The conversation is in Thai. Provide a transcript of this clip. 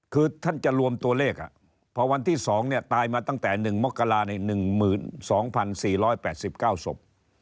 คือท่านจะรวมตัวเลขพอวันที่๒ตายมาตั้งแต่๑มกรา๑๒๔๘๙ศพ